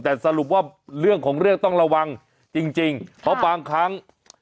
แต่สรุปว่าเรื่องของเรื่องต้องระวังจริงเพราะบางครั้ง